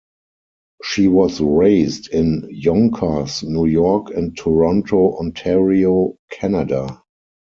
She was raised in Yonkers, New York and Toronto, Ontario, Canada.